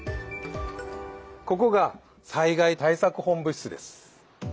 ここが災害対策本部室です。